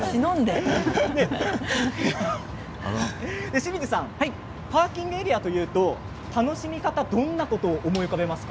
清水さんパーキングエリアというと楽しみ方どんなことを思い浮かべますか？